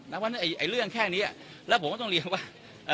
นะว่าไอ้ไอ้เรื่องแค่นี้แล้วผมก็ต้องเรียกว่าเอ่อ